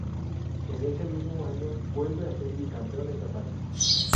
En ese mismo año vuelve a ser bicampeón estatal.